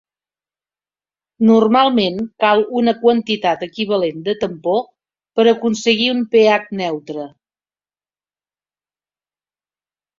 Normalment cal una quantitat equivalent de tampó per aconseguir un pH neutre.